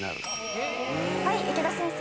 はい池田先生。